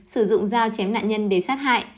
sử dụng dao chém nạn nhân để sát hại